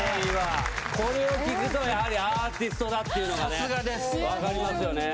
これを聴くとやはりアーティストだっていうのが分かりますよね。